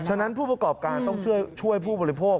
ฉะนั้นผู้ประกอบการต้องช่วยผู้บริโภค